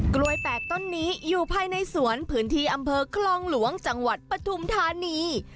กล้วยแปลกต้นนี้อยู่ภายในสวนพื้นที่อำเภอคลองหลวงจังหวัดปฐุมธานี